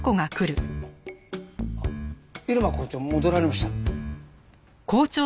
入間校長戻られました。